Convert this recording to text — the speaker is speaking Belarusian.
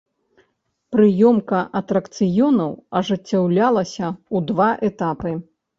Прыёмка атракцыёнаў ажыццяўлялася ў два этапы.